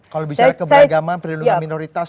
kalau bicara keberagaman perlindungan minoritas